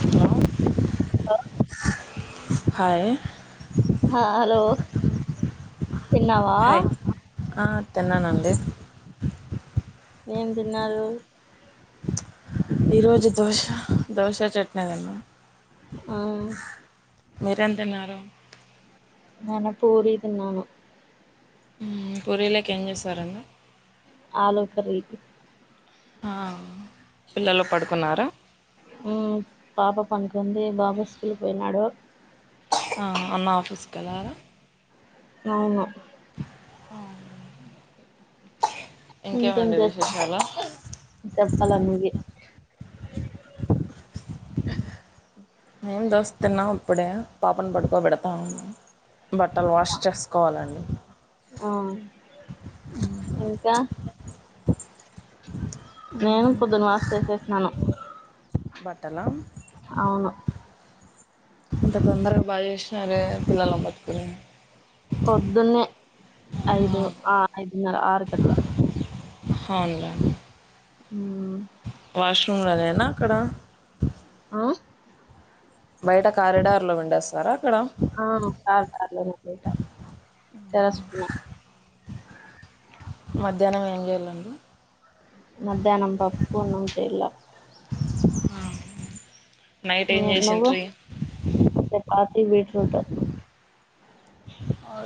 Hello ఆ hi ఆ hello తిన్నావా హాయ్ ఆ తిన్నానండి ఏం తిన్నారు ఈ రోజు దోశ దోశ చట్నీ తిన్నం హుమ్ మీరు ఏం తిన్నారు మన పూరి తిన్నాను. మ్ పురిలకి ఏం చేశారు అండి ఆలూ కర్రీ. హ పిల్లలు పడుకున్నారా హుమ్ పాప పనుకుంది, బాబు స్కూల్కి పోయినాడు. ఆ అన్న ఆఫీస్ కెళ్ళారా అవును ఆ ఇంకేం ఇంకేమండి చేస్ విశేషాలు చెప్పాల నువ్వే మేం దోస తిన్నాం ఇప్పుడే పాపను పట్టుకోబెడతా ఉన్న బట్టలు వాష్ చేసుకోవాలండి ఆ ఇంకా నేను పొద్దున వాస్ చేసేసినాను బట్టలా అవును ఇంత తొందరగా బాగా చేసినారే పిల్లలను పట్టుకొని పొద్దున్నే ఐదు ఆ ఐదున్నర, ఆరు కట్ల అవునులే మ్మ్ వాషురూమ్లో నేనా అక్కడ ఆ బయట కారిడార్లో పిండేస్తారా. అక్కడ ఆ కారిడార్లొ పిండుకుంటాం. తస్పి మధ్యాహ్నం ఏం చేయాలండి. మధ్యాహ్నం పప్పు బెల్లం. నైట్ ఏం చేసుంట్రీ. ఇది బీట్ట్రూట్. అ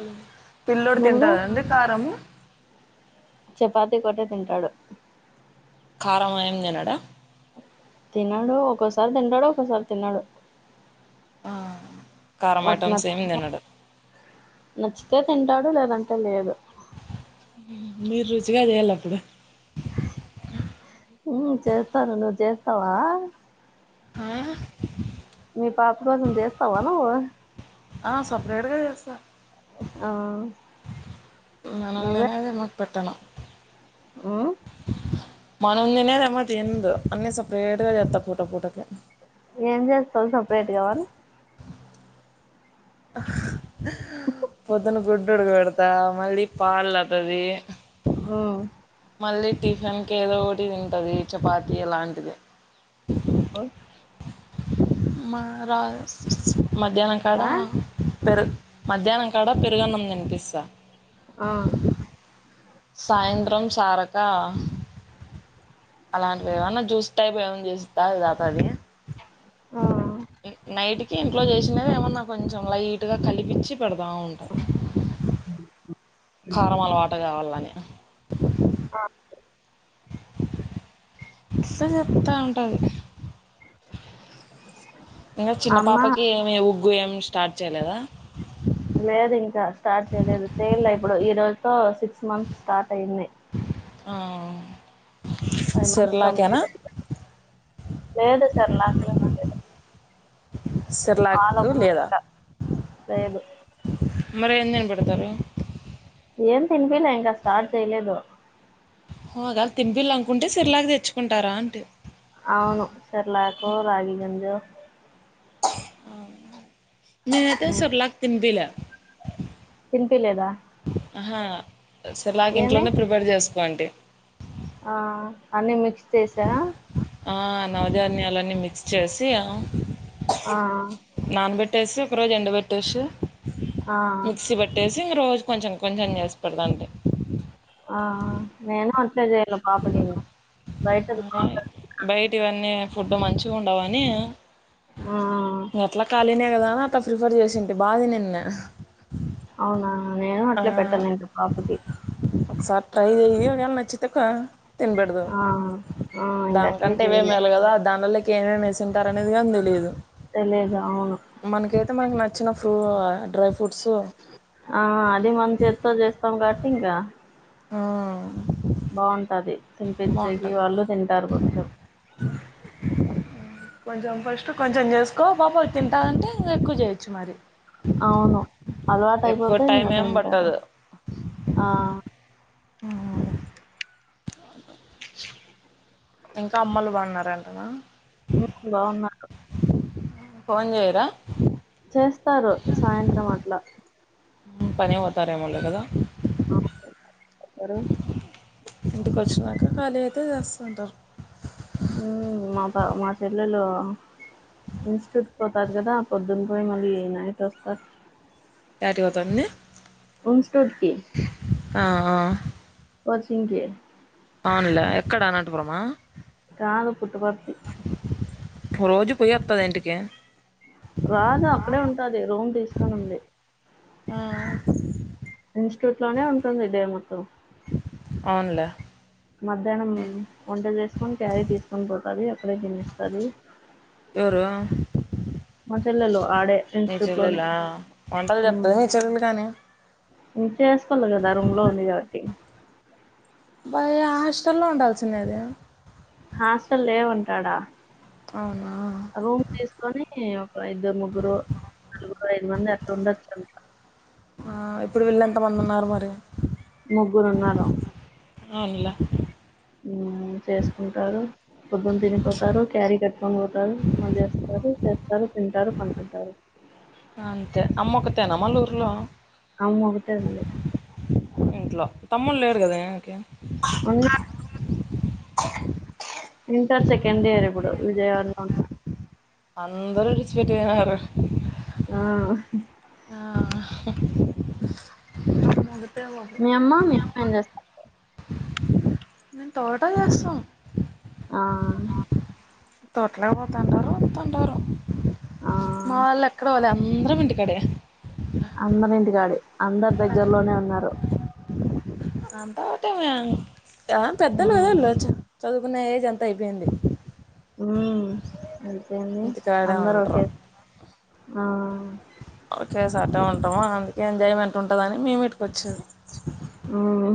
పిల్లోడు నువ్వు తింటాడా అండి కారం. చపాతి ఒకొటె తింటాడు. కారము ఏం తినడా. తినడు, ఒక్కోసారి తింటాడు, ఒక్కోసారి తినడు. అ కారం వాడికి ఐటమ్స్ మ్ నచ్చితే తనడు. నచ్చితే తింటాడు, లేదంటే లేదు. మీరు రుచిగా చేయాలి అపుడు. మ్ చేస్తాను, నువ్ చేస్తావా. ఆ మీ పాపకు నువ్ చేస్తావా నువ్వు. ఆ సెపెరేట్గా చేస్తా. ఆ మ నందినే మాకు పెట్టెన. మ్ మన తినేదేమో తిందు, అన్ని సపరేట్ గా చేస్తా పూట పూటకి. ఏం చేస్తావు సపరేటుగా వాళ్లు. పొద్దున్న గుడ్డు ఉడకపెడతా మళ్ళీ పాల్ అవుతది. మ్ టిఫిన్కి ఏదో ఒకటి తింటది, చపాతి అలాంటిది. అ మా రా మధ్యాహ్నం కాడ ఆ పెరుగ్ మధ్యాహ్నం కాడ పెరుగన్నం తినిపిస్తా. ఆ సాయంత్రం సారకా. అలాంటివి ఏమన్నా జ్యూస్ టైపు ఏమన్న చేస్తే తాగుతది ఆ నైట్ కి ఇంట్లో చేసినది ఏమన్నా కొంచెం లైట్ గా కలిపించి పెడతా ఉంటాయి కారం అలవాటు కావాలని. ఆ నస చెప్తా ఉంటది. ఇంకా చిన్న అమ్మ పాపకి ఏమి ఉగ్గు, ఏమి స్టార్ట్ చేయలేదా. లేదు ఇంకా స్టార్ట్ చేయలేదు సేల్ అయి, ఇప్పుడు ఈ రోజుతో సిక్స్ మంత్స్ స్టార్ట్ అయినాయి. ఆహ్... ఫైవ్ మంత్స్ కంప్లీట్ అయిపోలే. సెర్లాక్ లేదా లేదు మరి ఏం తినపెడతారు. ఏం తినిపియలే, ఇంకా స్టార్ట్ చేయలేదు. హా కాదు తినిపియ్యాలే అనుకుంటే సెరెలాక్తెచ్చు. అవును సెరెలాక, రాగిగంజు. నేనైతే ఉమ్ సెర్లాక్ తిన్పియలె. తినిపిలేదా సెర్లాక్ ఏమి ఇంట్లోనే ప్రిపేర్ చేసుకోండి. ఆ అన్నీ మిక్స్ చేసా ఆ నవధాన్యాలన్నీ మిక్స్ చేసి ఆ నానబెట్టేసి ఒకరోజు ఎండ పెట్టేసి ఆ మిక్సీ పెట్టేసి ఇంక రోజు కొంచెం కొంచెం చేసిపడుద అంటే ఆ నేను అంతే చెయ్యాలా పాపకి బయట బయటి ఇవన్నీ ఫుడ్ మంచిగా ఉండవని ఆ ఎట్లా ఖాళీనే కదా అని అట్లా ప్రిఫర్ చేసింటి బా తినింది అవునా నేను అట్లే పెట్టను ఇంకా పాపకి ఒకసారి ట్రై చెయ్యి ఒకవేళ నచ్చితే తినబెడదు ఆ ఆ ఇంక అట్లే దానికంటే ఇవే చేయలే మేలు కదా ఆ దాని వల్ల ఏమేమి వేసింటారు అనేది గాని తెలియదు. తెలిదు అవును మనకైతే మనకు నచ్చిన ఫ్రూ డ్రై ఫ్రూట్సు ఆ అది మన చేత్తో చేస్తాం కాట్టి ఇంకా ఆ బాగుంటది తినిపిచ్చేకి బాగుంటుంది వాళ్ళు తింటారు కొంచెం. కొంచెం ఫస్ట్ కొంచెం చేసుకో పాప తింటానంటే ఇంగ ఎక్కువ చేయొచ్చు మరి. అవును అలవాటు ఎక్కువ అయిపోతే ఇంగ టైం ఏం తింటారు పట్టదు ఆ ఉ ఇంకా అమ్మలు బాగున్నారంటనా ఉ బాగున్నారు ఫోన్ చేయరా చేస్తారు సాయంత్రం అట్లా పని పోతారేమో లే కదా ఆ ఎర ఇంటికి వచ్చినాక ఖాళీ అయితే చేస్తుంటారు. ఊ మా మా చెల్లెలు ఇన్స్టు పోతాది కదా పొద్దున్న పోయి మళ్ళీ నైట్ వస్తారు యాటికి పోతంది? ఇన్‌స్టిట్యూట్‌కి ఆ కోచింగ్‌కి అవునులే. ఎక్కడ అనంతపురమా? కాదు పుట్టపర్తి రోజు పోయి వత్తాద ఇంటికి. రాదు అక్కడే ఉంటది రూమ్ తీసుకొని ఉంది. ఆ ఇన్స్టిట్యూట్ లోనే ఉంటుంది డే మొత్తం. అవును లే మధ్యాహ్నం వంట చేసుకొని క్యారీ తీసుకొని పోతది అక్కడే తినేస్తాది. ఎవరు? మా చెల్లెలు ఆడే మీ ఇన్స్టిట్యూట్ లోనే చెల్లెలా వంటలు ఉ చెప్తదా మీ చెల్లెలు గాని ఇం చేసుకోల కదా రూమ్ లో ఉంది కాబట్టి బాయ హాస్టల్లో ఉండాల్సిండేది హాస్టల్ లేవంట ఆడ అవునా ఈ ఒక ఇద్దరు ముగ్గురు నలుగురు ఐదు మంది అట్లా ఉండొచ్చు అంటా ఆ ఇప్పుడు వీళ్ళు ఎంత మంది ఉన్నారు మరి. ముగ్గురున్నారు అవునులే చేసుకుంటారు. పొద్దుని తినిపోతారు క్యారీ కట్టుకొని పోతారు మళ్ళీ వస్తారు వస్తారు, తింటారు, పనుకుంటారు. అమ్మోక్కతేన మలూరులో అవు అత ఉద ఇంట్లో తమ్ముడు లేడు గదే ఓకే. ఉన్నాడు. ఇంటర్ సెకండ్ ఇయర్ ఇప్పుడు విజయవాడలో ఉ అందరూ ఇడిచి పెట్టి పోయినారు. ఆ ఆ మమ్మా మమ్మా ఎస్త మేము తోట చేస్తాం. ఆ తొట్లే పోతంటారు, వస్తుంటారు. ఆ! మా వొల్లెక్కడికి పోలే అందరం ఇంటి కడే. అందరింటికాడి అందరు దగ్గర్లోనే ఉన్నారు. ఆ తోటేమైన హ్మ్. [unintelligible] చదువుకునే ఏజ్ అంతా అయిపోయింది. అంతే అండి ఇంటికాడే అందరు ఒకే ఆ ఓకే సోటే ఉంటాము. అందుకే ఎంజాయ్మెంట్ ఉంటదని మేము ఇ వచ్చరు హ్మ్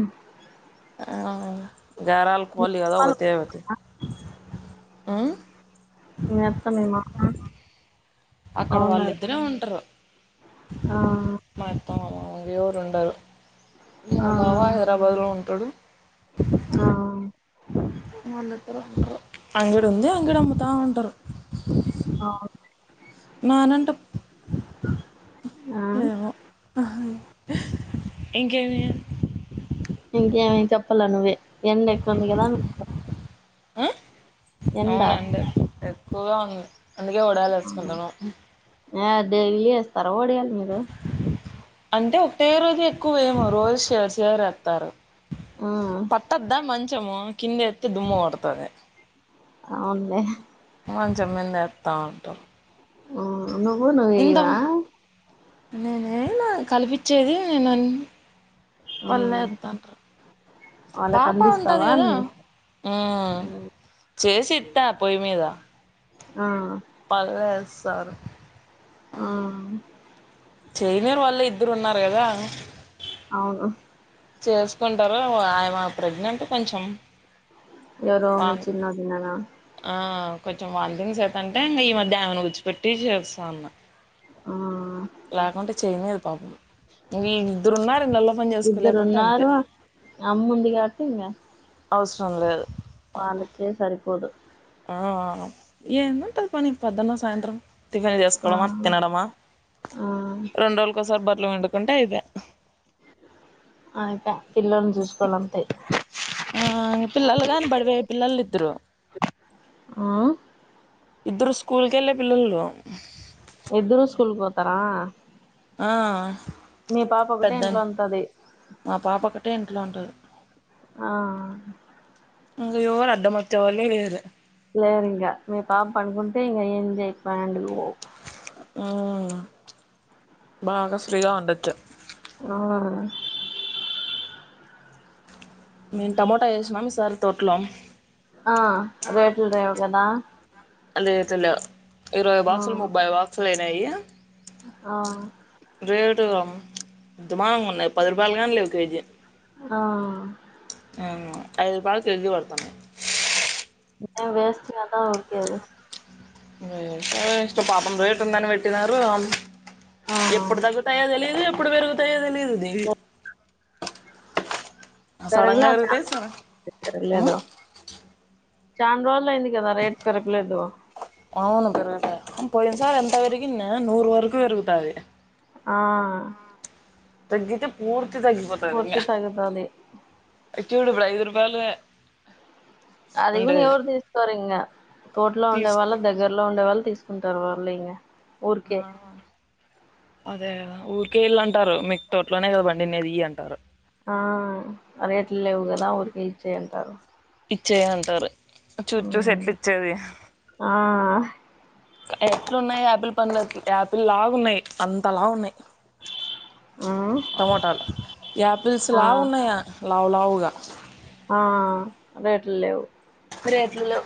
మీ వాళ్ళు బాగున్నారా? ఉమ్ మీత మేమ అక్కడ వాళ్ళిద్దరే ఉంటరు. ఆ మా అత్త, మా మామ ఇంగెవరుండరు. మా ఆ బావా హైదరాబాద్లో ఉంటడు. ఆ అంగడూంది, అంగడమ్ముతా ఉంటరు. అ నానంట ఆ మేమో ఇంకేమి ఇంకే చెప్పల్ అ ను్వే ఎండ కుందికదా హ్మ్మ్ అవునండి ఎక్కువగా ఉంది. అందుకే ఓడాలేసుకుందామా? ఆ దేవిలు చేస్తారు ఓడియాలి మీరు అంటే ఒకటే రోజు ఎక్కువేమో రోజు షేర్ షేర్ ఏస్తారు. ఆ పట్టద్దా మంచము, కిందేత్తె దుమ్ము పడతాదీ. అవునులే ప చెమ్మీంద ఎతా ఉంటం నుకు న నేనే నా కల్పించేది నేను ఆ పళ్ళతుంటారు వాళ్ళకి అందిస్తావా నీ- హ్మ్మ్ చేసిద్దా పోయి మీద ఉమ్ ఆ [unintelligible] చైనే వాళ్లిద్దరున్నారు గదా అవును చేసుకుంటరో ఆమే ప్రెగ్నెంట్ కొంచెం. ఎవరు పా మీ చిన్న వదిన ఆ కొంచెం వంతింగ్ చేత అంటే ఇంకా ఈ మధ్య ఆమెను గూర్చోపెట్టి చేస్తాన్న. ఆ లేకుంటే చేయనీదు పాపం. ఈ నిద్దరున్నారు. నల్ల పని ఇద్దరు చేసుకోలేమంటే అంతే. ఉన్నారు అమ్మ ఉంది అవసరం లేదు వాళకే సరిపోదు ఆ ఏంటంటది పని పద్ధన్న సాయంత్రం టిఫిన్ ఆ చేసుకోవడమా తినడమా ఆ రెండు రోజులకోసారి బట్టలు పిన్ డుకుంటే అయిపోను ఆయకా పిల్లలను చూసుకోలంతే ఆ పిల్లలు కాని పడివయ పిల్లలు ఇద్దరు ఆ ఇద్దరు స్కూల్ కెళ్ళే పిల్లలు ఎద్దరు స్కూల్కి పోతారా ఆ మీ పాప ఒకటే పెద్ద ఇంట్లో ఉంటది మా పాప ఒకక్కటే ఇంట్లో ఉంటుంది ఆ అంగ యోరు అడ్డం వచ్చే వల్లే లేరు లేరికా మీ పాప పనుకుంటే ఇం ఏం జయినం పో బాగా ఫ్రీగా ఉండచ్చ ఆ ఆ మేము టమోటా వేసినం సారి తోట్లో ఆ రేట్లు రేవు కదా ఇరవై ఆ బాక్సులు ముబై బాక్సులు అయినాయి ఆ రేటు దమాగంగా ఉన్నాయి పది రూపాయలు కాని లేవు కేజీ అ ఆ ఐదు రూపాయల కే జీ పడతాన్నా టై వేస్ట్ కాదా ఓకే అ ఇష్ట పాపం రేట్ ఉందని పెట్టినారు ఆ ఎప్పుడు తగ్గుతయ తెలియదు ఎప్పుడు పెరుగుతయ తెలియదు దీవి గా పెరుగుతాయి సడన్ పెరగలారగలేద చా రోజులు అయింది కదా రేట్ పెరగలేదు అవును పెరుట పోయిసా ఎంత వరికున్న నూరు వరకు వెరుగుతాదది ఆ తగ్గతే పూర్తి తగ్గిపోది ఈగ పూర్తి తగ్గుతాది ఇచుడు ఐదు రుపాలు అది కూడాని ఎవరు తీసుకోారు ఇంకా తోటలో ఉండే వాళ్ళ తీసుకో దగ్గరలో ఉండే వాళ్ళు తీసుకుంటారు వాళ్ళు ఇం ఊరికే అదే కదా ఊరికే ఇళ్ళ అంటారు మీకు తోట్లోనే కదండి నది అంటారు ఆ రేట్లు లేవు కదా ఊరికె ఇచ్చయ అంటారు ఇచ్చేది అంటారు చూచూ మ్మ్ సెట్ల్ ఇచ్చేది ఆ ఎట్లు ఉన్నాయి యాపిల్ పండ్లు యాపిల్ లాగా ఉన్నాయి అంతలా ఉన్నాయి మ్మ్ టమోటాలు యాపిల్స్ ఆ లా ఉన్నాయా లవు లావుగా ఆ రేట్లు లేవు రేట్ లు లేవు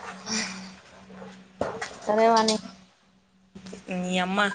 సరేవాని నీ అమ్మ